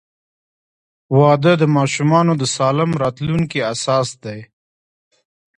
• واده د ماشومانو د سالم راتلونکي اساس دی.